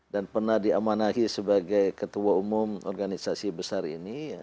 dan pernah diamanahi sebagai ketua umum organisasi besar ini